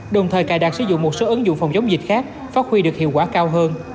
đồng thời cài đặt sử dụng một số ứng dụng phòng chống dịch khác phát huy được hiệu quả cao hơn